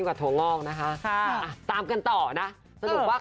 ยังโทนลูกหนึ่งแล้วก็